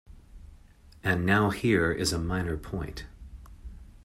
And now here is a minor point.